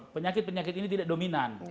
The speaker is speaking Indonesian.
penyakit penyakit ini tidak dominan